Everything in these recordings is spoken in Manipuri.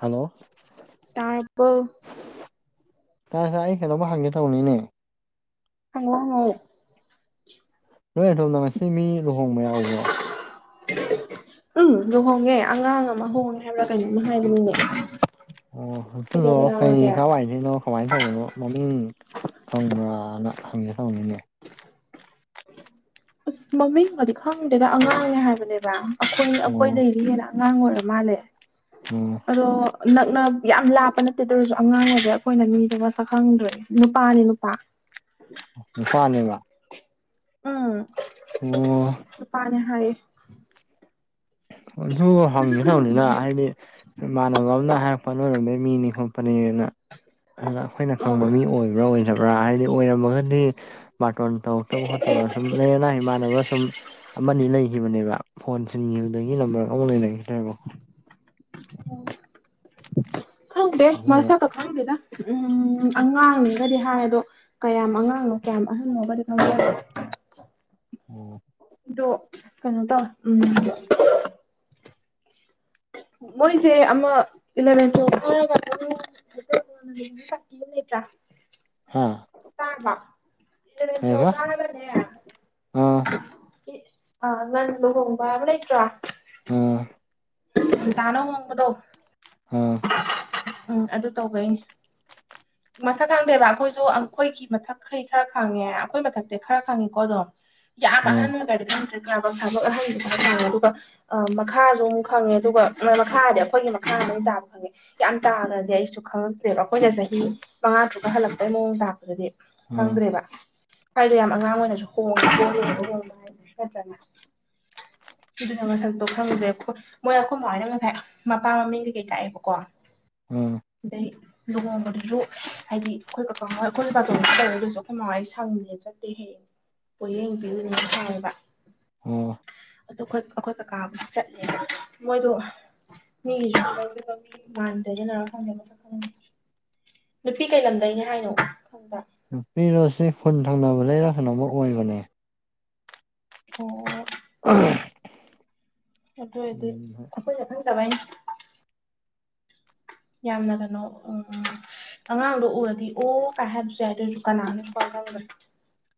ꯍꯂꯣ ꯇꯥꯔꯕꯣ ꯇꯥꯢ ꯇꯥꯢ ꯑꯩ ꯀꯩꯅꯣꯝꯃ ꯍꯪꯒꯦ ꯇꯧꯕꯅꯤꯅꯦ ꯍꯪꯉꯣ ꯍꯪꯉꯣ ꯅꯣꯏ ꯑꯗꯣꯝꯗ ꯉꯁꯤ ꯃꯤ ꯂꯨꯍꯣꯡꯕ ꯌꯥꯎꯕ꯭ꯔꯣ ꯎꯝ ꯂꯨꯍꯣꯡꯉꯦ ꯑꯉꯥꯡ ꯑꯃ ꯍꯣꯡꯉꯦ ꯍꯥꯏꯕ꯭ꯔꯥ ꯀꯩꯅꯣꯃ ꯍꯥꯏꯕꯅꯤꯅꯦ ꯑꯣ ꯑꯗꯨꯗꯣ ꯀꯩꯗꯧꯕ ꯀꯩ ꯌꯥꯎꯔꯒꯦ ꯀꯋꯥꯏꯗꯩꯅꯣ ꯀꯃꯥꯏꯅ ꯇꯧꯕꯅꯣ ꯃꯃꯤꯡ ꯈꯪꯕ꯭ꯔꯥꯅ ꯍꯪꯒꯦ ꯇꯪꯅꯤꯅꯦ ꯑꯁ ꯃꯃꯤꯡꯒꯗꯤ ꯈꯪꯗꯦꯗ ꯑꯉꯥꯡꯅꯦ ꯍꯥꯏꯕꯅꯦꯕ ꯑꯩꯈꯣꯏ ꯑꯣ ꯑꯩꯈꯣꯏꯗꯩꯗꯤ ꯍꯦꯟꯅ ꯑꯉꯥꯡ ꯑꯣꯏꯔ ꯃꯥꯜꯂꯦ ꯎꯝ ꯑꯗꯣ ꯅꯛꯅ ꯌꯥꯝ ꯂꯥꯞꯄ ꯅꯠꯇꯦ ꯑꯗꯨ ꯑꯣꯏꯔꯁꯨ ꯑꯉꯥꯡ ꯑꯣꯏꯗꯤ ꯑꯩꯈꯣꯏꯅ ꯃꯤꯗꯣ ꯃꯁꯛ ꯈꯪꯗ꯭ꯔꯦ ꯅꯨꯄꯥꯅꯤ ꯄꯥ [unintelligible] ꯅꯨꯄꯥꯅꯦꯕ ꯎꯝ ꯑꯣ ꯅꯨꯄꯥꯅꯦ ꯍꯥꯏꯌꯦ ꯑꯗꯨ ꯍꯪꯒꯦ ꯇꯧꯅꯤꯗ ꯍꯥꯏꯗꯤ ꯏꯃꯥꯟꯅꯕ ꯑꯃꯅ ꯍꯥꯏꯔꯛꯄ ꯅꯣꯏꯔꯣꯝꯗꯩ ꯃꯤꯅꯤ ꯈꯣꯠꯄꯅꯦꯅ ꯑꯗꯨꯗ ꯑꯩꯈꯣꯏꯅ ꯈꯪꯕ ꯃꯤ ꯑꯣꯏꯕ꯭ꯔꯥ ꯑꯣꯏꯗꯕ꯭ꯔꯥ ꯍꯥꯏꯗꯤ ꯑꯣꯏꯔꯝꯃꯒꯗꯤ ꯕꯥꯔꯇꯣꯟ ꯇꯧꯔꯛꯇꯕ ꯈꯣꯠꯇꯕ ꯁꯨꯝ ꯂꯩꯥꯏꯌꯦꯅꯥ ꯏꯃꯥꯟꯅꯕ ꯁꯨꯝ ꯑꯃ ꯑꯅꯤ ꯂꯩꯈꯤꯕꯅꯦꯕ ꯐꯣꯟ ꯁꯤꯟꯒꯤꯕꯗꯒꯤ ꯅꯝꯕꯔꯒ ꯑꯃꯨꯛ ꯂꯩꯅꯈꯤꯗ꯭ꯔꯦꯕꯀꯣ ꯈꯪꯗꯦ ꯑꯗꯨꯒ ꯃꯁꯛꯀ ꯈꯪꯗꯦꯗ ꯎꯝ ꯑꯉꯥꯡꯅꯦꯒꯗꯤ ꯍꯥꯏ ꯑꯗꯣ ꯀꯌꯥꯝ ꯑꯉꯥꯡꯅꯣ ꯀꯌꯥꯝ ꯑꯍꯟꯅꯣꯒꯗꯤ ꯈꯪꯖꯗ꯭ꯔꯦ ꯑꯣ ꯑꯗꯣ ꯀꯩꯅꯣ ꯇꯧꯋꯦ ꯎꯝ ꯃꯣꯏꯁꯦ ꯑꯃ ꯏꯂꯚꯦꯟ ꯇꯨꯋꯦꯜꯞ ꯀꯥꯔ [unintelligible] [unintelligible] ꯀꯥꯇꯤ ꯑꯃ ꯂꯩꯇ꯭ꯔꯥ ꯍꯥꯥ ꯇꯥꯗ꯭ꯔꯣ ꯏꯂꯚꯦꯟ ꯇꯨꯋꯦꯜꯞ ꯀꯥꯔꯒꯅꯦ ꯑꯥ ꯑꯃ ꯂꯨꯍ‍ꯣꯡꯕ ꯍꯥꯏꯕꯥ ꯂꯩꯇ꯭ꯔꯥ ꯎꯝ ꯇꯅꯣ [unintelligible] ꯍꯣꯡꯕꯗꯣ ꯎꯝ ꯎꯝ ꯑꯗꯨ ꯇꯧꯕꯩꯅꯤ [inaudible] ꯃꯁꯛ ꯈꯪꯗꯦꯕ ꯑꯩꯈꯣꯏꯁꯨ ꯑꯩꯈꯣꯏꯒꯤ ꯃꯊꯛꯈꯩ ꯈꯔ ꯈꯪꯉꯦ ꯑꯩꯈꯣꯏ ꯃꯊꯛꯇꯤ ꯈꯔ ꯈꯪꯉꯦꯀꯣ ꯑꯗꯨꯝ ꯌꯥꯝ ꯑꯥ ꯑꯍꯟ ꯑꯣꯏꯒꯔꯗꯤ ꯈꯪꯗ꯭ꯔꯦ ꯀꯕꯥꯛ ꯁꯥꯕꯛ ꯑꯍꯟ ꯈꯡꯉꯦ ꯑꯗꯨꯒ ꯃꯈꯥꯁꯨ ꯐꯪꯉꯦ ꯑꯗꯨꯒ ꯃꯣꯏ ꯃꯈꯥꯗꯤ ꯑꯩꯈꯣꯏꯒꯤ ꯃꯈꯥꯗ ꯂꯣꯏ ꯇꯥꯕ ꯐꯪꯉꯦ ꯌꯥꯝ ꯇꯥꯒ꯭ꯔꯗꯤ ꯑꯩꯁꯨ ꯈꯪꯉꯛꯇ꯭ꯔꯦꯕ ꯑꯩꯈꯣꯏꯅ ꯆꯍꯤ ꯃꯉꯥ ꯇꯔꯨꯛ ꯍꯜꯂꯛꯄꯩ ꯃꯑꯣꯡ ꯂꯥꯛꯄꯗꯨꯗꯤ ꯑꯥ ꯈꯪꯗ꯭ꯔꯦꯕ ꯑꯩꯗꯣ ꯌꯥꯝ ꯑꯉꯥꯡ ꯑꯣꯏꯅꯁꯨ ꯍꯣꯡꯉ-ꯍꯣꯡꯉ ꯍꯣꯡꯕ ꯍꯥꯏꯕ ꯅꯠꯇ꯭ꯔꯅꯦ ꯑꯗꯨꯅ ꯃꯁꯛꯇꯣ ꯈꯪꯗ꯭ꯔꯦ ꯃꯣꯏ ꯑꯩꯈꯣꯏ ꯃꯥꯍꯣꯏꯅ ꯉꯁꯥꯏ ꯃꯄꯥ ꯃꯃꯤꯡ ꯀꯩ-ꯀꯩ ꯇꯥꯛꯑꯦꯕꯀꯣ ꯑꯥ ꯑꯗꯩ ꯂꯨꯍꯣꯡꯕꯗꯨꯁꯨ ꯍꯥꯏꯗꯤ ꯑꯩꯈꯣꯏ ꯀꯥꯀꯥ ꯍꯣꯢ ꯑꯩꯈꯣꯢ ꯕꯥꯔꯇꯣꯟ ꯇꯧꯔꯛꯢ ꯑꯩꯈꯣꯏ ꯃꯥ ꯍꯣꯢ ꯁꯪꯗꯦ ꯆꯠꯇꯦ ꯍꯌꯦꯡ ꯄꯣꯠꯌꯦꯡ ꯄꯤꯌꯨꯅꯤ ꯍꯥꯏꯌꯦꯕ ꯑꯣ ꯑꯗꯨ ꯑꯩꯈꯣꯏ ꯀꯥꯀꯥꯕꯨꯗꯤ ꯆꯠꯂꯦ ꯃꯣꯏꯗꯣ ꯃꯤꯒꯤꯗꯤ [unintelligible] [unintelligible] ꯃꯁꯛ ꯈꯪꯗꯦ ꯅꯨꯄꯤ ꯀꯩ ꯂꯝꯗꯩꯅꯤ ꯍꯥꯏꯅꯣ ꯈꯪꯕ ꯅꯨꯄꯤꯔꯣꯁꯤ ꯈꯨꯨꯟ ꯊꯪꯅꯕ ꯗꯩꯔ ꯀꯩꯅ‍ꯣꯃ ꯑꯣꯏꯕꯅꯦ ꯑꯣ ꯎꯝ [unintelligible] ꯑꯗꯨ ꯑꯣꯏꯔꯗꯤ ꯑꯩꯈꯣꯏꯅ ꯈꯪꯗꯕꯩꯅꯤ ꯌꯥꯝꯅ ꯀꯩꯅꯣ ꯎꯝ ꯎꯝ ꯑꯉꯥꯡꯗꯣ ꯎꯔꯗꯤ ꯑꯣ ꯀꯥꯏ ꯍꯥꯏꯕꯁꯨ ꯌꯥꯏ ꯑꯗꯨꯑꯣꯏꯔꯁꯨ ꯀꯅꯥꯅꯣ ꯁꯨꯈꯪ ꯈꯪꯗꯔꯦ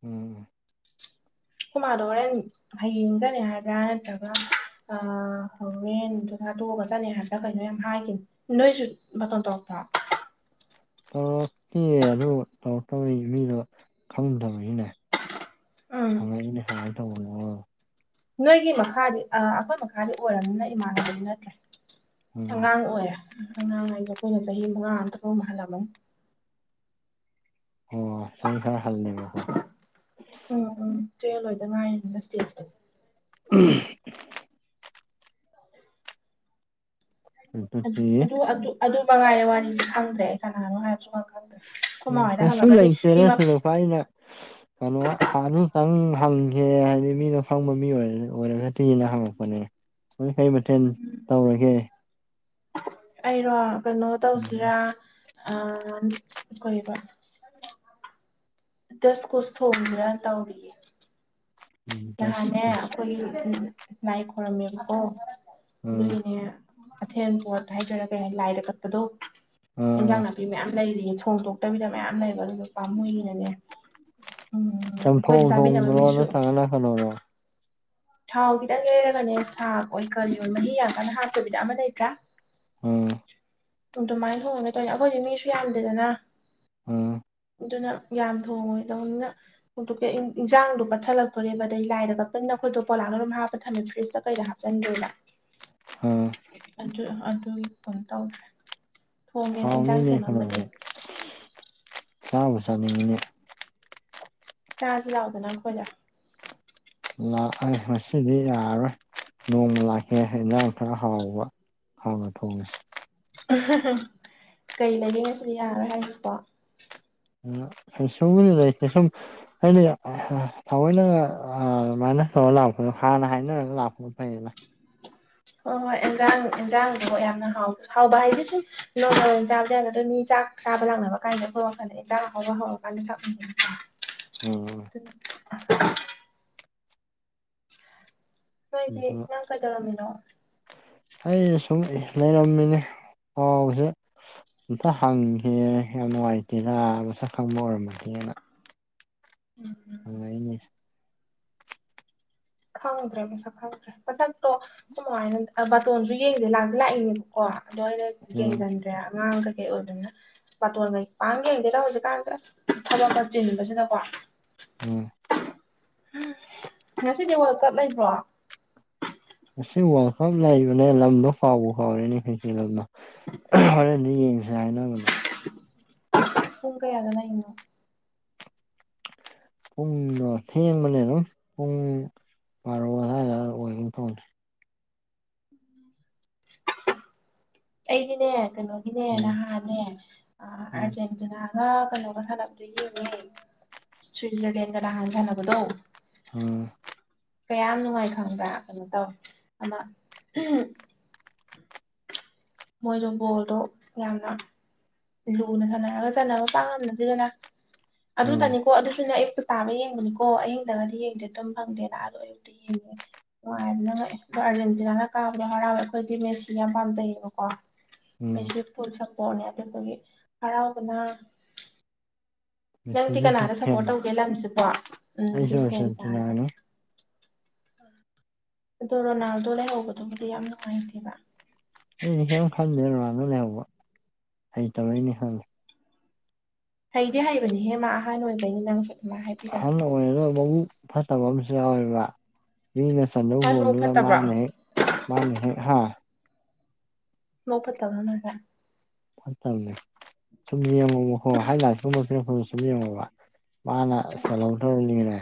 ꯎꯝ ꯈꯣꯏ ꯃꯥꯗꯣ ꯍꯣꯔꯦꯟ ꯍꯌꯦꯡ ꯆꯠꯅꯤ ꯍꯥꯏꯕ꯭ꯔꯥ ꯅꯠꯇ꯭ꯔꯒ ꯑ ꯍꯣꯔꯦꯟ ꯆꯥꯛꯆꯥ ꯇꯣꯛꯑꯒꯥ ꯆꯠꯅꯤ ꯍꯥꯏꯕ꯭ꯔꯥ ꯀꯩꯅꯣ ꯌꯥꯝ ꯍꯥꯏꯈꯤꯅꯤ ꯅꯣꯏꯁꯨ ꯕꯇꯣꯟ ꯇꯧꯔꯛꯄꯔꯣ ꯇꯧꯔꯛꯇꯤꯌꯦ ꯑꯗꯨ ꯇꯧꯔꯛꯇꯕꯒꯤ ꯃꯤꯗꯣ ꯈꯪꯗꯕꯅꯤꯅꯦ ꯎꯝ ꯍꯉꯛꯏꯅ‍ꯦ ꯀꯃꯥꯏ ꯇꯧꯕꯅ‍ꯣ ꯅꯣꯏꯒꯤ ꯃꯈꯥꯗꯤ ꯑꯩꯈꯣꯏ ꯃꯈꯥꯗꯤ ꯑꯣꯏꯔꯕꯅꯤꯅ ꯏꯃꯥꯟꯅꯕꯗꯤ ꯅꯠꯇ꯭ꯔꯦ ꯎꯝ ꯑꯉꯥꯡ ꯑꯣꯏ ꯑꯉꯥꯡ ꯍꯥꯏꯁꯦ ꯑꯩꯈꯣꯏꯅ ꯆꯍꯤ ꯃꯉꯥ ꯑꯃꯥ ꯇꯔꯨꯛ ꯑꯃꯥ ꯍꯜꯂꯝꯃꯅꯤ ꯑꯣ ꯑꯩꯈ‍ꯣꯏꯅ ꯈꯔ ꯍꯜꯂꯦꯕꯀꯣ ꯎꯝ-ꯎꯝ ꯇꯜ [unintelligible] ꯑꯣꯏꯗꯅ ꯏꯁꯇ ꯎꯝ ꯑꯗꯨꯗꯤ ꯑꯗꯨ-ꯑꯗꯨ ꯃꯉꯥꯏꯔꯦ ꯋꯥꯔꯤꯁꯦ ꯈꯪꯗ꯭ꯔꯦ ꯑꯩ ꯀꯅꯥꯅꯣ ꯍꯥꯏꯕꯁꯨ ꯉꯥꯛ ꯎ ꯀꯩꯁꯨ ꯂꯩꯇꯦꯗ ꯁꯨꯝ ꯑꯩꯅꯥ ꯀꯩꯅꯣ ꯑꯥꯟꯇꯪ ꯍꯪꯒꯦ ꯍꯥꯏꯗꯤ ꯃꯤꯅ ꯐꯪꯕ ꯃꯤ ꯑꯣꯏꯔꯒꯇꯤꯅ ꯍꯪꯉꯛꯄꯅꯦ ꯅꯣꯏ ꯀꯩ ꯃꯊꯦꯜ ꯇꯧꯔꯒꯦ ꯑꯩꯔꯣ ꯀꯩꯅꯣ ꯎꯝ ꯇꯧꯁꯤꯔꯥ ꯑꯥ ꯀꯔꯤꯕ ꯗꯁꯀꯨꯁ ꯊꯣꯡꯁꯤꯔ ꯇꯧꯔꯤꯌꯦ ꯎꯝ ꯗꯁ ꯅꯍꯥꯟꯅꯦ ꯀꯨꯁ ꯑꯩꯈꯣꯏ ꯂꯥꯏ ꯈꯣꯏꯔꯝꯃꯦꯕꯀꯣ ꯎꯝ ꯑꯗꯨꯒꯤꯅꯦ ꯑꯊꯦꯟ ꯄꯣꯠ ꯍꯥꯏꯗꯣꯏꯔꯥ ꯀꯩ ꯍꯥꯏ ꯂꯥꯏꯗ ꯀꯠꯄꯗꯣ ꯏꯟꯖꯥꯡ ꯎꯝ ꯅꯥꯄꯤ ꯃꯌꯥꯝ ꯂꯩꯔꯤꯌꯦ ꯊꯣꯡꯗꯣ ꯇꯕꯤꯗ ꯃꯌꯥꯝ ꯂꯩꯕ ꯑꯗꯨꯅ ꯄꯥꯝꯃꯨꯏꯌ‍ꯦꯅꯅ‌ꯦ ꯎꯝ ꯑꯩꯈꯣꯏꯗꯤ ꯆꯥꯕꯤꯅꯕ ꯃꯤꯁꯨ ꯍꯜꯂ [unintelligible] ꯊꯥꯎ ꯈꯤꯇꯪ ꯌꯩꯔꯒꯅꯦ ꯁꯥꯛ ꯑꯣꯏ ꯀꯩ ꯑꯣꯏ ꯃꯍꯤ ꯌꯥꯝ ꯀꯟꯅ ꯍꯥꯞꯇꯕꯤꯗ ꯑꯃ ꯂꯩꯇ꯭ꯔꯥ ꯎꯝ ꯎꯝ ꯑꯗꯨꯃꯥꯏꯅ ꯊꯣꯡꯒꯦ ꯇꯧꯅꯤ ꯑꯩꯈꯣꯏꯗꯤ ꯃꯤꯁꯨ ꯌꯥꯝꯗꯦꯗꯅ ꯎꯝ ꯑꯗꯨꯅ ꯌꯥꯝ ꯊꯣꯡꯉꯣꯏꯗꯧꯅꯤꯅ ꯏꯟꯖꯥꯡꯗꯣ ꯄꯠꯁꯤꯜꯂꯛꯇꯣꯔꯦꯕ ꯑꯗꯩ ꯂꯥꯏꯗ ꯀꯠꯄꯅꯤꯅꯥ ꯑꯩꯈꯣꯏꯗꯣꯂꯥꯅ ꯑꯗꯨꯝ ꯍꯥꯞꯄ ꯊꯝꯃꯦ ꯐꯔꯤꯖꯇ ꯀꯩꯗ ꯍꯥꯞꯆꯤꯟꯗꯣꯏꯅ ꯑ ꯑꯗꯨ ꯑꯗꯨꯒꯤ ꯀ ꯇꯧꯗ꯭ꯔꯦ ꯊꯣꯡꯒꯦꯅ ꯏꯟꯁꯥꯡ ꯁꯦꯝꯃꯝꯕꯅꯦ ꯀꯥꯕ ꯆꯅꯤ ꯆꯥꯔꯖ ꯂꯥꯛꯗꯅ ꯑꯩꯈꯣꯏꯗ ꯂꯥꯛ ꯃꯁꯤꯗꯤ ꯌꯥꯔꯣꯏ ꯅꯣꯡꯃ ꯂꯥꯛꯀꯦ ꯍꯖꯥꯡ ꯈꯔ ꯍꯥꯎꯕ ꯍꯥꯡꯉ ꯊꯣꯡꯉꯦ [unintelligible] ꯀꯩ ꯂꯩꯒꯦ ꯉꯁꯤꯗꯤ ꯌꯥꯔꯣꯏ ꯍꯥꯏꯔꯤꯁꯤꯕ‍ꯣ ꯎ ꯐꯁꯝꯒ ꯂꯩꯁꯝ [inaudible] ꯍꯥꯏꯗꯤ ꯊꯑꯣꯏꯅ ꯑꯗꯨꯃꯥꯏꯅ ꯇꯧꯔ ꯂꯥꯛꯄꯗꯣ ꯍꯥꯟꯅ ꯍꯥꯏꯅꯔꯒ ꯂꯥꯛꯄ ꯑꯣ ꯐꯥꯏꯂ [unintelligible] ꯍꯣꯏ-ꯍꯣꯏ ꯏꯟꯖꯥꯡ-ꯏꯟꯖꯥꯡꯗꯣ ꯌꯥꯝꯅ ꯍꯥꯎ-ꯍꯥꯎꯕ ꯍꯥꯏꯗꯤ ꯁꯨꯝ ꯅꯣꯔꯃꯜ ꯑꯣꯢꯅ ꯆꯥꯕꯗ ꯌꯥꯒꯗꯕ ꯃꯤ ꯆꯥꯛ ꯆꯥꯕ ꯂꯥꯛꯅꯕ ꯀꯥꯏꯅꯀꯣ ꯍꯦꯟꯖꯥꯡ ꯑꯍꯥꯎꯕ ꯍꯧꯔꯀꯥꯟꯗ ꯆ ꯎꯝ ꯎ [unintelligible] ꯅꯣꯏꯗꯤ ꯑꯗꯨ ꯅꯪ ꯀꯩꯗꯧꯔꯝꯃꯤꯅꯣ ꯑꯩꯅ ꯁꯨꯝ ꯂꯩꯔꯝꯃꯤꯅꯦ ꯄꯥꯎꯁꯦ ꯑꯝꯇ ꯍꯪꯒꯦ ꯌꯥꯝ ꯅꯨꯡꯉꯥꯏꯇꯦꯗ ꯃꯁꯛ ꯈꯪꯕ ꯑꯣꯏꯔꯝꯃꯗꯤꯅ ꯎꯝ [unintelligible] ꯍꯅꯦ [unintelligible] ꯈꯪꯗ꯭ꯔꯦ ꯃꯁꯛ ꯈꯪꯗ꯭ꯔꯦ ꯃꯁꯛꯇꯣ ꯀꯃꯥꯏꯅ ꯕꯥꯇꯣꯟꯁꯨ ꯌꯦꯡꯁꯦ ꯂꯥꯛ ꯂꯥꯛꯏꯅꯦꯕ ꯀꯣ ꯑꯗꯣ ꯑꯩꯅ ꯎꯝ ꯌꯦꯡꯁꯤꯟꯗ꯭ꯔꯦ ꯑꯉꯥꯡ ꯀꯩꯀꯩ ꯑꯣꯏꯕꯅ ꯕꯥꯇꯣꯟꯉꯩ ꯄꯥꯡ ꯌꯦꯡꯗꯦꯗ ꯍꯧꯖꯤꯛꯀꯥꯟꯗ ꯊꯕꯛꯇ ꯆꯤꯟꯕꯁꯤꯗꯀꯣ ꯎꯝ ꯎꯝ ꯉꯁꯤꯗꯤ ꯋꯥꯔꯜ ꯀꯞ ꯂꯩꯕ꯭ꯔꯣ ꯑꯁꯤ ꯋꯥꯡꯈꯐꯝ ꯂꯩꯕꯅꯦ ꯂꯝꯗꯣ ꯐꯥꯎꯕ ꯐꯥꯎꯔꯦꯅꯦ ꯈꯩꯁꯦꯜ ꯂꯝꯅ ꯍꯣꯔꯦꯟꯗꯤ ꯌꯦꯡꯁꯦ ꯍꯥꯏꯅꯕꯅꯦ ꯄꯨꯡ ꯀꯥꯏꯒ ꯂꯩꯉꯣ ꯄꯨꯡꯗꯣ ꯊꯦꯡꯕꯅꯦ ꯑꯗꯨꯝ ꯄꯨꯡ ꯥꯔꯣ ꯑꯗꯨ ꯁꯋꯥꯏꯔ ꯑꯣꯏꯕ ꯇꯧꯁꯦ ꯑꯩꯒꯤꯅꯦ ꯀꯩꯅꯣꯒꯤꯅꯦ ꯎꯝ ꯅꯍꯥꯅꯦ ꯑꯔ ꯎꯝ ꯑꯗꯨꯅꯒ ꯀꯩꯅꯣꯒ ꯁꯥꯟꯅꯕꯗꯣ ꯌꯦꯡꯉꯦ ꯁ꯭ꯋꯤꯖꯔꯂꯦꯟꯒ ꯅꯍꯥꯟ ꯁꯅꯕꯗꯣ ꯎꯝ ꯀꯌꯥꯝ ꯅꯨꯡꯉꯥꯏ ꯈꯪꯕ꯭ꯔꯥ ꯀꯩꯅꯣ ꯇꯧꯋ ꯑꯃ ꯃꯣꯏꯗ ꯕꯣꯜꯗꯣ ꯌꯥꯝꯅ ꯂꯨꯅ ꯁꯥꯟꯅꯔꯒ ꯆꯥꯟꯅꯕ ꯄꯥ ꯉꯝꯅꯗꯦꯗꯅ ꯎꯝ ꯑꯗꯨꯇꯅꯤꯀꯣ ꯑꯗꯨꯁꯨꯅꯦ ꯇꯥꯕ ꯌꯦꯡꯕꯅꯤꯀꯣ ꯑꯍꯤꯡꯗꯒꯗꯤ ꯌꯦꯡꯗꯦ ꯑꯗꯨꯝ ꯐꯪꯗꯦꯅ ꯑꯥ ꯂꯣꯏꯝꯛꯇ ꯌꯦꯡꯉꯦ ꯅꯨꯡꯉꯥꯏꯗꯅꯪ ꯉꯛꯑ ꯑꯗꯣ ꯑꯥꯔꯖꯦꯟꯇꯤꯅꯥꯅ ꯀꯥꯕꯗꯣ ꯍꯔꯥꯎꯋꯦ ꯑꯩꯈꯣꯏꯗꯤ ꯃꯦꯁꯤ ꯌꯥꯝ ꯄꯥꯝꯖꯩꯌꯦꯕꯣ ꯀ ꯎꯝ ꯑꯩꯁꯦ ꯐꯨꯜ ꯁꯄꯣꯔꯠꯅꯦ ꯑꯗꯨꯒ ꯑꯩꯈꯣꯏꯒꯤ ꯍꯔꯥꯎꯕꯅ ꯅꯪꯗꯤ ꯃꯦꯁꯤꯒꯤ ꯕꯤꯛ ꯀꯅꯥꯗ ꯐꯦꯟ ꯁꯞꯄꯣꯔꯠ ꯇꯧꯒꯦ ꯂꯝꯁꯤꯕꯣ ꯎꯝ ꯑꯩꯁꯨ ꯗꯤꯐꯦꯟ ꯇꯥꯔꯦ ꯑꯥꯔꯖꯦꯟꯇꯤꯅꯥꯅꯤ ꯑꯗꯣ ꯔꯣꯅꯥꯜꯗꯣ ꯂꯩꯍꯧꯕꯗꯨꯕꯨꯗꯤ ꯌꯥꯝ ꯅꯨꯡꯉꯥꯏꯇꯦꯕ ꯑꯩꯗꯤ ꯍꯦ ꯈꯟꯗꯦ ꯂꯥꯟꯅ ꯂꯩꯍꯧꯕ ꯑꯩ ꯇꯧꯔꯛꯏꯅꯦ ꯈꯜꯂꯦ ꯍꯩꯗꯤ ꯍꯩꯕꯅꯤꯍꯦ ꯃꯥ ꯑꯍꯥꯟ ꯑꯣꯏꯕꯩꯅꯤ ꯅꯪꯁꯨ ꯑꯗꯨ ꯃꯥ ꯍꯥꯏꯕꯤꯔꯅꯤ ꯀ ꯃꯕꯨ ꯐꯠꯇꯕ ꯑꯃꯁꯨ ꯌꯥꯎꯋꯦꯕ ꯃꯤꯅ ꯆꯟꯗꯧ ꯃꯥ ꯃꯕꯨꯛ ꯍꯣꯣꯟꯗꯨꯅ ꯐꯠꯇꯕ꯭ꯔꯣ ꯃꯥꯅ ꯍꯦꯛ ꯃꯥꯅꯦ ꯍꯥ ꯃꯣꯄꯠꯇꯕꯒ ꯐꯠꯇꯕꯅꯦ ꯁꯨꯝ ꯌꯦꯡꯉꯣꯕ ꯍꯣꯏ ꯍꯥꯏ ꯂꯥꯏꯀꯨꯝꯕ ꯄꯤꯔꯛꯄꯗ ꯁꯨꯝ ꯌꯦꯡꯉꯣꯕ ꯃꯥꯅ ꯁꯂꯇ ꯏꯜꯂꯤꯉ꯭ꯔꯦ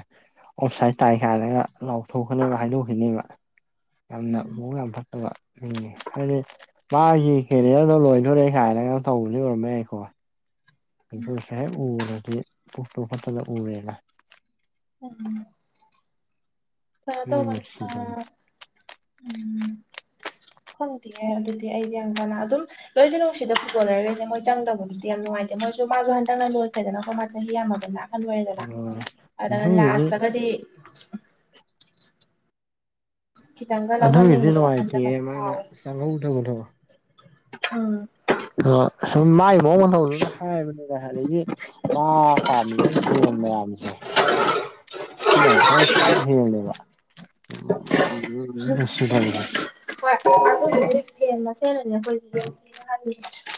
ꯑꯣꯞꯁꯥꯏꯠ ꯇꯥꯏꯈꯥꯏꯔꯒ ꯂꯥꯎꯊꯣꯛꯀꯅꯦꯕ ꯍꯥꯏꯗꯣꯛꯈꯤꯅꯦꯕ ꯌꯥꯝꯅ ꯃꯑꯣꯡ ꯌꯥꯝ ꯐꯠꯇꯕ ꯎꯝ ꯍꯥꯏꯗꯤ ꯃꯥꯒꯤ ꯀꯦꯔꯤꯌꯔꯗꯣ ꯂꯣꯏꯅꯣꯔꯦ ꯀꯥꯏꯅꯒ ꯇꯧꯕꯗꯤ ꯑꯣꯏꯔꯝꯕ ꯌꯥꯏꯀꯣ ꯑꯗꯨ ꯁꯥꯏ ꯎꯔꯗꯤ ꯄꯨꯇꯣ ꯐꯠꯇꯗ ꯎꯔꯦꯅ [unintelligible] ꯀꯩꯅꯣ ꯎꯝ ꯇꯧꯕꯅꯦ ꯑꯥ ꯈꯪꯗꯤꯌꯦ ꯑꯗꯨꯗꯤ ꯑꯩꯗꯤ ꯌꯥꯝ ꯀꯥꯟꯅ ꯑꯗꯨꯝ ꯂꯣꯏꯅ ꯅꯨꯡꯁꯤꯗ ꯐꯨꯠꯕꯣꯜ ꯂꯩꯔꯒꯈꯩꯦ ꯃꯣꯏ ꯆꯪꯗꯕꯕꯨꯗꯤ ꯌꯥꯝ ꯅꯨꯡꯉꯥꯏꯇꯦ ꯃꯣꯏꯁꯨ ꯃꯥꯁꯨ ꯍꯟꯗꯛꯅꯟ ꯂꯣꯏꯈꯗꯅꯀꯣ ꯃꯥ ꯆꯍꯤ ꯌꯥꯝꯃꯕꯅ ꯑꯍꯜ ꯑꯣꯏꯔꯦꯗꯅ ꯂꯣꯏꯔꯦ ꯑꯗ ꯑꯗꯨꯒꯤꯗꯤ ꯂꯥꯁꯇꯒꯗꯤ ꯈꯤꯇꯪꯒ ꯑꯗꯨꯒꯤꯗꯤ ꯂꯧꯍꯟꯅꯤꯡꯕꯗꯣ ꯋꯥꯈꯟꯗꯒ ꯅꯨꯡꯉꯥꯏꯇꯦꯌꯦ ꯃꯥꯅ ꯐꯦꯎꯋꯤ ꯆꯪꯍꯧꯗꯕꯗꯣ ꯑ ꯑ ꯁꯨꯝ ꯃꯥꯏ ꯃꯑꯣꯡ ꯃꯇ ꯊꯧꯗꯨꯅ ꯍꯥꯏꯕꯅꯦ ꯀ ꯍꯥꯏꯒꯤ ꯃꯥ ꯄꯥꯝꯃꯤꯕ ꯐꯦꯟ ꯃꯌꯥꯝꯁꯦ ꯁꯤꯅꯎ ꯈꯔ ꯍꯦꯜꯂꯦꯕ ꯎ ꯅꯨꯡꯁꯤ ꯊꯕꯁꯦ ꯍꯣꯏ ꯑꯗꯨꯦꯟ ꯑꯃ ꯁꯦꯟꯅꯅꯤ ꯑꯩꯈꯣꯏꯁꯤ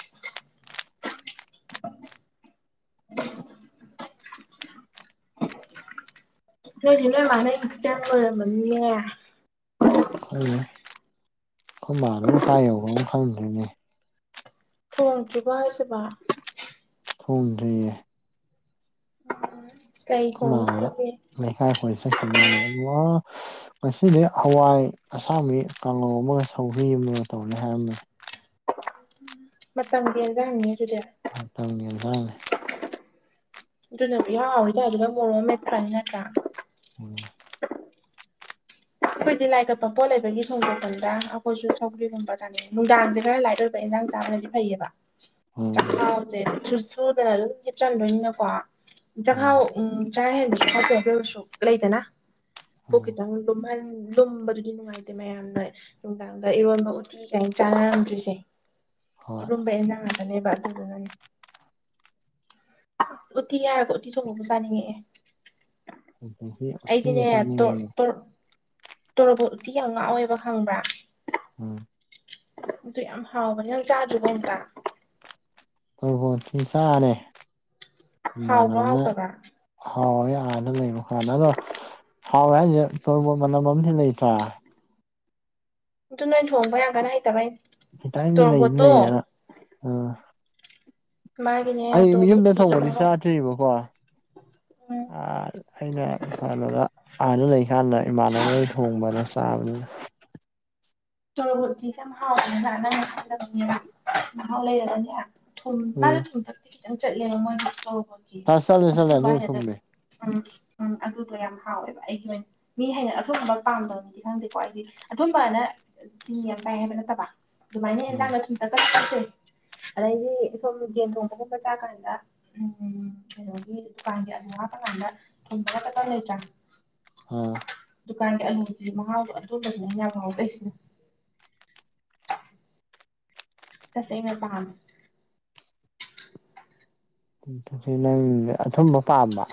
[unintelligible] [unintelligible] [unintelligible] [unintelligible] ꯑꯩꯈꯣꯏꯅꯦ ꯑꯩꯈꯣꯏꯕꯥ ꯑꯗꯨꯝ ꯐꯥꯏ ꯌꯧꯈ꯭ꯔ ꯑꯃ ꯈꯪꯗ꯭ꯔꯤꯅꯦ ꯊꯣꯡꯗ꯭ꯔꯤꯕꯣ ꯍꯥꯏꯖꯤꯕꯣ ꯊꯣꯡꯗ꯭ꯔꯤꯌꯦ ꯀꯩ ꯊꯣꯡ [unintelligible] ꯂꯩꯀꯥꯢ ꯀꯣꯢ ꯆꯠꯈꯤ ꯃꯥꯂꯦ ꯃꯁꯤꯗꯤ ꯍꯋꯥꯏ ꯑꯁꯥꯕꯤ ꯀꯥꯡꯍꯧ ꯑꯃꯒ ꯁꯧꯒ꯭ꯔꯤ ꯑꯃꯒ ꯇꯧꯅꯤ ꯍꯥꯏꯔꯝꯃꯤ ꯃꯇꯝꯒꯤ ꯑꯦꯟꯖꯦꯡꯅꯤ ꯑꯗꯨꯗꯤ ꯇꯝꯒꯤ ꯑꯦꯟꯖꯥꯡꯅꯤ ꯑꯗꯨꯅꯕꯨ ꯏꯍꯥꯎ ꯍꯥꯎꯋꯤꯗ ꯃꯣꯔꯣꯛ ꯑꯃ ꯃꯦꯠꯇ꯭ꯔꯅꯤ ꯅꯠꯇ꯭ꯔ [inaudible] ꯑꯩꯈꯣꯏꯗꯤ ꯂꯥꯏ ꯀꯠꯄ ꯄꯣꯠ ꯂꯩꯕꯒꯤ ꯊꯣꯡꯗꯣꯛꯄꯁꯤꯗ ꯑꯩꯈꯣꯏꯁꯨ ꯁꯧꯒ꯭ꯔꯤꯒꯨꯝꯕ ꯆꯥꯅꯩ ꯅꯨꯡꯗꯥꯡꯁꯦ ꯈꯔ ꯂꯥꯏꯠ ꯑꯣꯏꯕ ꯏꯟꯖꯥꯡ ꯆꯥꯕ ꯂꯩ ꯐꯩꯌꯦꯕ ꯎꯝ ꯆꯥꯛꯈꯥꯎꯁꯦ ꯁꯨꯗꯅ ꯂꯣꯏ ꯍꯦ ꯆꯟꯗꯣꯏꯅꯀꯣ ꯎꯝ ꯆꯥꯛꯈꯥꯎ ꯎꯝ ꯎ ꯆꯥ ꯍꯦꯟꯕꯁꯨ ꯐꯠꯇꯦ ꯑꯣꯏꯔꯁꯨ ꯂꯩꯗꯅꯕꯨ ꯎꯝ ꯈꯤꯇꯪ ꯂꯨꯝꯍꯟ ꯂꯨꯝꯕꯒꯤ ꯅꯨꯡꯉꯥꯏ ꯍꯥꯏꯗꯤ ꯃꯌꯥꯝꯅ ꯅꯨꯡꯗꯥꯡꯗ ꯏꯔꯣꯟꯕ ꯎꯠꯇ꯭ ꯀꯥꯏꯅ ꯆꯥꯅꯔꯝꯗ꯭ꯔꯤꯁꯦ ꯍꯣꯏ ꯑꯗꯨꯝꯕ ꯑꯦꯖꯥꯡ ꯅꯦꯕ ꯑꯗꯨꯗꯨꯅꯅꯦ ꯑꯁ ꯎꯠꯇꯤ ꯌꯥꯔꯒ ꯎꯠꯇꯤ ꯊꯣꯡꯕꯕꯨ ꯆꯥꯅꯤꯡꯉꯛꯑꯦ ꯑꯩꯗꯤꯅꯦ [unintelligible] ꯇꯣꯔꯣꯕꯣꯇꯤ ꯌꯥꯝ ꯉꯥꯎꯑꯦꯕ ꯈꯪꯕ꯭ꯔꯥ ꯎꯝ ꯑꯗꯨ ꯌꯥꯝ ꯍꯥꯎꯕꯌꯤ ꯅꯪ ꯆꯥꯗ꯭ꯔꯤꯕꯣ ꯑꯝꯇ ꯇꯣꯔꯣꯕꯣꯠꯇꯤ ꯆꯥꯔꯦ ꯍꯥꯎꯕ꯭ꯔꯥ ꯏꯃꯥꯟꯅꯕꯅ ꯍꯥꯎꯇꯕ꯭ꯔꯥ ꯍꯥꯎ ꯑꯅ ꯂꯩꯕ ꯀꯥꯟꯗ ꯑꯗꯣ ꯍꯥꯎꯋꯦ ꯍꯥꯏꯁꯦ ꯇꯣꯔꯕ ꯃꯅꯝ ꯑꯝꯗꯤ ꯂꯩꯇ꯭ꯔꯥ ꯑꯗꯨ ꯅꯣꯏ ꯊꯣꯡꯕ ꯌꯥꯝ ꯀꯟ ꯍꯩꯇꯕꯩꯩꯅꯦ ꯈꯤꯇꯪꯗꯤ ꯂꯩꯗꯤ ꯂꯩꯌꯦꯅ ꯑ ꯃꯥꯒꯤꯅꯦ ꯑꯩ ꯇꯣꯔꯕꯣꯠ ꯌꯨꯝꯗ ꯎꯇꯤꯒꯤ ꯊꯣꯡꯕꯗꯤ ꯃꯍꯥꯎ ꯆꯥꯗ꯭ꯣꯏꯔꯤꯕꯀꯣ ꯑ ꯎꯝ ꯑꯩꯅ ꯀꯩꯅꯣꯗ ꯑꯥꯗ ꯂꯩꯀꯥꯟꯗ ꯏꯃꯥꯟꯅꯕꯩ ꯊꯣꯡꯕꯅ ꯆꯥꯕꯅꯤꯅ ꯇꯣꯔꯣꯕꯣꯇꯤꯁꯦ ꯌꯥꯝ ꯍꯥꯎꯕꯅꯤꯅ ꯅꯪꯅ ꯈꯜꯂꯕꯅꯦꯕ ꯃꯍꯥꯎ ꯂꯩꯔꯒꯅꯦ ꯊꯨꯝ ꯎꯝ ꯃꯥꯅ ꯊꯨꯝꯊꯛꯇꯤ ꯈꯤꯇꯪ ꯆꯠꯂꯦꯕ ꯃꯣꯏꯅ ꯇꯣꯔꯣꯕꯣꯠꯀꯤ ꯑꯁ ꯆꯠꯂꯦ ꯆꯠꯂꯦ ꯑꯊꯨꯝꯕ ꯑꯗꯨ ꯍꯩꯅꯗ ꯊꯨꯝꯃꯦ ꯎꯝ ꯎꯝ ꯑꯗꯨꯗꯣ ꯌꯥꯝ ꯍꯥꯎꯋꯦꯕ ꯑꯩꯒꯤ ꯑꯣꯏꯅ ꯃꯤ ꯍꯥꯏꯅ ꯑꯊꯨꯝꯕ ꯄꯥꯝꯕꯝꯗꯤ ꯈꯪꯗꯦꯀꯣ ꯑꯩꯗꯤ ꯑꯊꯨꯝꯕꯅ ꯆꯤ ꯌꯥꯝ ꯆꯥꯏ ꯍꯥꯏꯕ ꯅꯠꯇꯕ ꯑꯗꯨꯃꯥꯏꯅ ꯎꯝ ꯌꯦꯟꯖꯥꯡꯅ ꯊꯨꯝꯗ ꯀ ꯆꯠꯁꯦ ꯑꯗꯩꯗꯤ ꯁꯣꯝ ꯒꯦꯟ ꯊꯣꯡꯕꯒꯨꯝꯕ ꯆꯥꯀꯥꯟꯗ ꯎꯝ ꯀꯩꯅꯣꯒꯤ ꯗꯨꯀꯥꯟꯒꯤ ꯑꯗꯨ ꯉꯥꯛꯀꯥꯟꯗ ꯊ ꯂꯩꯇ꯭ꯔ ꯑꯝ ꯗꯨꯀꯥꯟꯒꯤ ꯑꯅꯨꯕꯤ ꯃꯉꯥꯎꯕ ꯑꯗꯨꯝꯕꯗꯨꯅꯅꯦ ꯌꯥꯝ ꯉꯥꯎꯖꯩꯁꯤꯅ ꯇꯁꯦꯡꯅ ꯄꯥꯝꯃꯦ ꯅꯪ ꯑꯊꯨꯝꯕ ꯄꯥꯝꯕ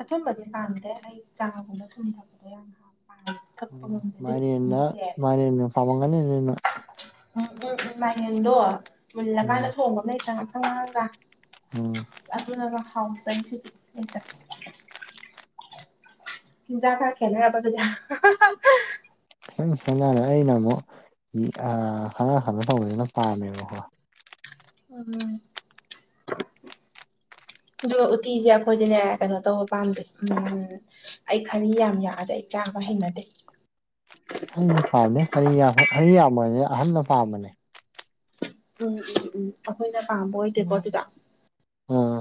ꯑꯊꯨꯝꯕꯗꯤ ꯄꯥꯝꯗꯦ ꯑꯩ ꯆꯥꯒꯨꯝꯕ ꯊꯨꯝ ꯊꯛꯄꯗꯣ ꯌꯥꯝ ꯍ [inaudible] ꯄꯥꯝꯏ ꯃꯥꯏꯔꯦꯟꯅ ꯃꯥꯢꯔꯦꯟꯅ ꯄꯥꯝꯃꯝꯒꯅꯤꯅ ꯎꯝ ꯎꯝ ꯎꯝ ꯃꯥꯏꯌꯦꯡꯗꯣ ꯎꯝ ꯃꯨꯜꯂꯀꯥꯟꯗ ꯊꯣꯡꯕ ꯃꯝꯂꯩꯇ꯭ꯔꯥ ꯉꯥꯡꯁꯪ ꯉꯥꯡꯑꯒ ꯎꯝ ꯑꯗꯨꯅꯒ ꯍꯥꯎꯖꯩꯁꯤꯗꯤ ꯑꯩꯇ ꯆꯤꯟꯖꯥꯛ ꯈꯔ ꯈꯦꯅꯔꯕ ꯗꯨꯗꯤ [unintelligible] ꯈꯤꯇꯪ ꯈꯦꯅꯔꯦ ꯑꯩꯅ ꯑꯃꯨꯛ ꯎꯞ ꯑ ꯈꯔ ꯀꯩꯅꯣ ꯇꯧꯕꯁꯤꯅ ꯄꯥꯝꯃꯦꯕꯀꯣ ꯎꯝ ꯑꯗꯨꯒ ꯎꯇꯤꯁꯦ ꯑꯩꯈꯣꯏꯗꯤꯅꯦ ꯀꯩꯅꯣ ꯇꯧꯕ ꯄꯥꯝꯗꯦ ꯎꯝ ꯑꯩ ꯈꯅꯤ ꯌꯥꯝ ꯌꯥꯗꯦ ꯑꯩ ꯆꯥꯕ ꯍꯩꯅꯗꯦ ꯑꯩꯅ ꯄꯥꯝꯃꯦꯔꯤ ꯌꯥꯝꯕꯅꯦ ꯑꯍꯅ ꯄꯥꯝꯕꯅꯦ ꯎꯝ ꯎꯝ ꯎꯝ ꯑꯩꯈꯣꯏꯅ ꯄꯥꯝꯕ ꯑꯣꯏꯗꯦꯀꯣ ꯑꯗꯨꯗ ꯑꯥ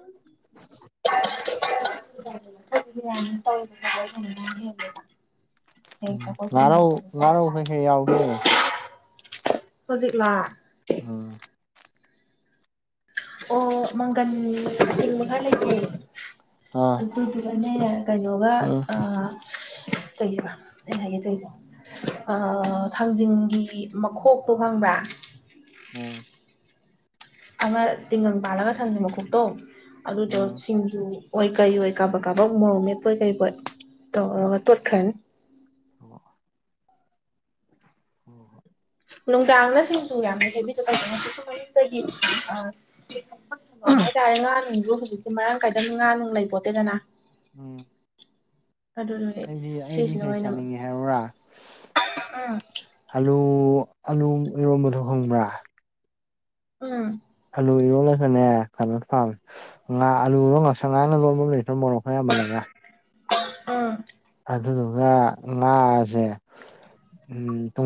[inaudible] [inaudible] [inaudible] ꯉꯥꯔꯧ ꯉꯥꯔꯧ ꯀꯩꯀꯩ ꯌꯥꯎꯒꯦ ꯍꯧꯖꯤꯛꯂꯥ [unintelligible] ꯑꯝ ꯑꯣ ꯃꯪꯒꯟ ꯑꯇꯤꯡꯕꯒ ꯈꯔ ꯂꯩꯒꯦ ꯑꯥ ꯑꯗꯨꯗꯨꯒꯅꯦ ꯀꯩꯅꯣꯒ ꯎꯝ ꯑ ꯁ ꯀꯩꯕ ꯑꯩꯅ ꯍꯥꯢꯒꯦ ꯇꯩꯁꯦ ꯑ ꯊꯥꯡꯖꯤꯡꯒꯤ ꯃꯈꯣꯛꯇꯣ ꯈꯪꯕ꯭ꯔꯥ ꯎꯝ ꯑꯃ ꯇꯤꯡꯒꯟ ꯄꯥꯜꯂꯒ ꯊꯥꯡꯖꯤꯡ ꯃꯈꯣꯛꯇꯣ ꯑꯗꯨꯗꯣ ꯎꯝ ꯁꯤꯡꯖꯨ ꯑꯣꯏ ꯀꯩ ꯑꯣꯏ ꯀꯥꯕꯛ ꯀꯥꯕꯛ ꯃꯣꯔꯣꯛ ꯃꯦꯞꯄꯣꯏ ꯀꯩ ꯕꯣꯏ ꯇꯧꯔꯒ ꯇꯣꯠꯈ꯭ꯔꯅꯤ [unintelligible] ꯑꯣ ꯍꯣ ꯅꯨꯡꯗꯥꯡꯅ ꯁꯤꯡꯁꯨꯨ ꯌꯥꯝꯅ ꯍꯦꯕꯤꯗ ꯁꯨ [unintelligible] ꯃꯥꯏꯗꯒꯤ [unintelligible] ꯍꯥꯏꯇꯥꯔꯦ ꯉꯥ ꯅꯨꯡꯁꯨ ꯍꯧꯖꯤꯛꯇꯤ ꯃꯔꯥꯡ ꯀꯥꯏꯗꯝꯅꯤ ꯉꯥ ꯅꯨꯡ ꯂꯩꯄꯣꯠꯇꯦꯗꯅ ꯎꯝ ꯑꯗꯨꯗꯨꯒꯤ ꯑꯩꯗꯤ ꯌꯥꯢ ꯑꯩꯗꯤ ꯁꯤꯁꯤꯅ ꯍꯩ ꯑꯣꯏꯅ ꯆꯥꯅꯤꯡꯉꯦ ꯍꯥꯏ꯭ꯔꯧꯔꯥ ꯎꯝ ꯑꯂꯨ ꯑꯂꯨ ꯏꯔꯣꯟꯝꯕꯗꯣ ꯈꯪꯕ꯭ꯔꯥ ꯎꯨꯝ ꯑꯂꯨ ꯏꯔꯣꯂꯒꯅꯦ ꯀꯩꯅꯣ ꯄꯥꯝꯃꯦ ꯉꯥ ꯑꯂꯨꯗꯣ ꯉꯁꯪ ꯉꯥꯡꯅ ꯂꯣꯟꯕ ꯂꯩꯇ꯭ꯔꯣ ꯃꯣꯔꯣꯛ ꯈ ꯌꯥꯝꯃꯜꯂꯒ [unintelligible] ꯎꯝ ꯑꯗꯨꯗꯨꯒ ꯉꯥꯁꯦ ꯎꯝ ꯇꯨꯡꯑꯟ